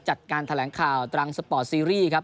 จัดการแถลงข่าวตรังสปอร์ตซีรีส์ครับ